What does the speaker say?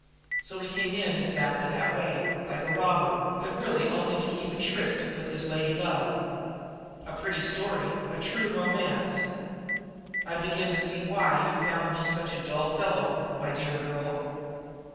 So he came in exactly that way, like a robber, but really only to keep a tryst with his lady love? A pretty story, a true romance! I begin to see why you find me such a dull fellow, my dear girl."